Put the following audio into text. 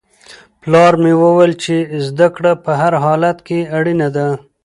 پلار مې وویل چې زده کړه په هر حالت کې اړینه ده.